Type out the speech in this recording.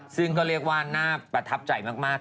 ซึ่งก็เรียกว่าน่าประทับใจมาก